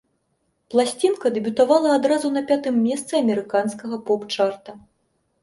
Пласцінка дэбютавала адразу на пятым месцы амерыканскага поп-чарта.